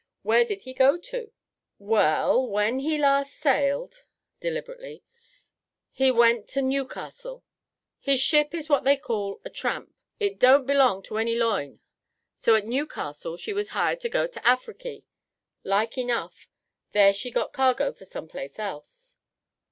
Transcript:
"Where did he go to?" "Well, when he last sailed" deliberately "he went to Newcastle. His ship is what they call a tramp; it don't belong to any loine. So at Newcastle she was hired to go to Africy. Like enough, there she got cargo for some place else."